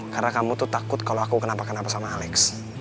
karena kamu tuh takut kalo aku kenapa kenapa sama alex